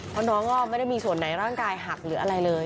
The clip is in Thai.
เพราะน้องก็ไม่ได้มีส่วนไหนร่างกายหักหรืออะไรเลย